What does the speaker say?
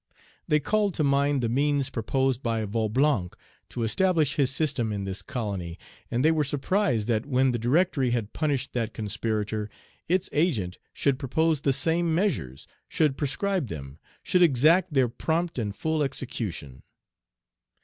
They called to mind the means proposed by Vaublanc to establish his system in this colony, and they were surprised that when the Directory had punished that conspirator, its Agent should propose the same measures, should prescribe them, should exact their prompt and full execution.